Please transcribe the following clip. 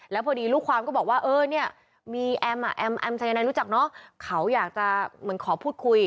แล้วพอดีลูกความก็บอกว่าเออเนี่ยมีแอมอ่ะแอมแอมสายนายรู้จักเนอะเขาอยากจะเหมือนขอพูดคุย